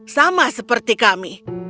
sama seperti kami